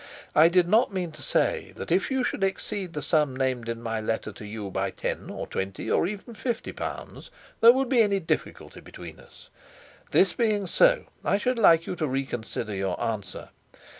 I did not mean to say that if you should exceed the sum named in my letter to you by ten or twenty or even fifty pounds, there would be any difficulty between us. This being so, I should like you to reconsider your answer.